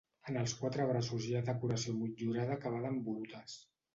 En els quatre braços hi ha decoració motllurada acabada en volutes.